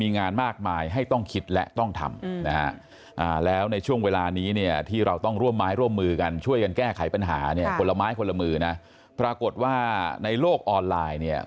ในโลกออนไลน์เนี่ย